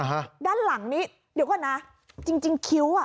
ฮะด้านหลังนี้เดี๋ยวก่อนนะจริงจริงคิ้วอ่ะ